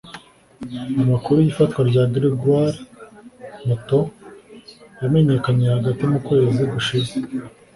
Amakuru y’ifatwa rya Gregoire Moutaux yamenyekanye hagati mu kwezi gushize